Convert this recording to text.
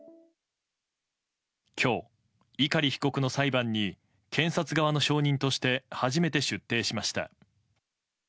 今日、碇被告の裁判に検察側の証人として初めて出廷しました。